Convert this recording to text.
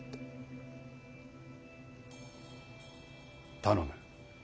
頼む。